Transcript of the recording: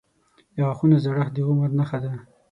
• د غاښونو زړښت د عمر نښه ده.